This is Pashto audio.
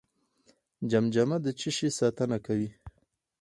جمجمه د څه شي ساتنه کوي؟